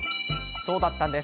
そうだったんです。